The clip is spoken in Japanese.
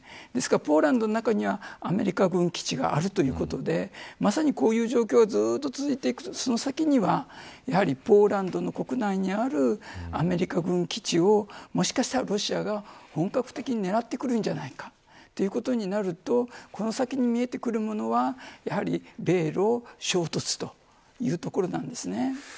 ですから、ポーランドの中にはアメリカ軍基地があるということでまさに、こういう状況がずっと続いていくとその先にはポーランドの国内にあるアメリカ軍基地をもしかしたらロシアが本格的に狙ってくるんじゃないかということになるとこの先に見えてくるものはやはり、米ロ衝突というところなんですね。